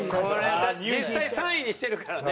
実際３位にしてるからね。